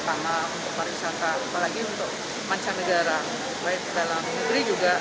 apalagi untuk mancanegara baik dalam negeri juga